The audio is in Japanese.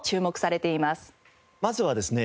まずはですね